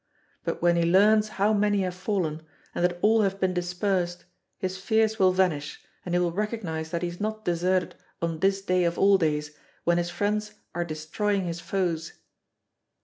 But when he learns how many have fallen, and that all have been dispersed, his fears will vanish, and he will recognise that he is not deserted on this day of all days when his friends are destroying his foes.